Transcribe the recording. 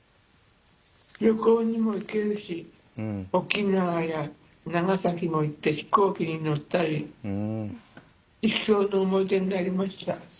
旅行にも行けるし沖縄や長崎も行って飛行機に乗ったり一生の思い出になりました。